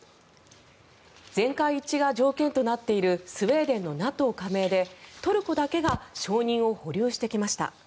全会一致が条件となっているスウェーデンのＮＡＴＯ加盟でトルコだけが承認を保留してきました。